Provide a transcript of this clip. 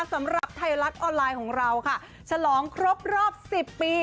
สำหรับไทยรัฐออนไลน์ของเราค่ะฉลองครบรอบ๑๐ปี